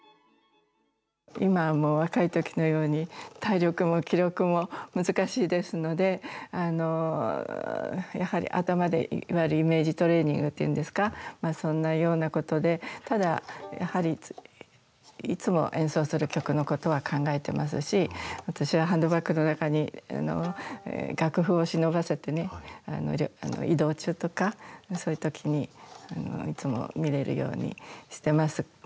今はもう若いときのように、体力も気力も難しいですので、やはり頭でいわゆるイメージトレーニングっていうんですか、そんなようなことで、ただ、やはり、いつも演奏する曲のことは考えてますし、私はハンドバッグの中に楽譜を忍ばせてね、移動中とか、そういうときにいつも見れるようにしてます。